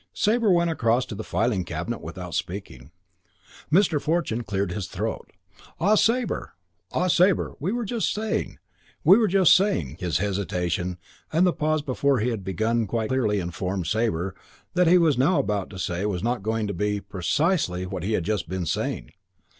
Sabre went across to the filing cabinet without speaking. Mr. Fortune cleared his throat. "Ah, Sabre. Ah, Sabre, we were just saying, we were just saying " His hesitation, and the pause before he had begun quite clearly informed Sabre that what he was now about to say was not going to be precisely what he had just been saying.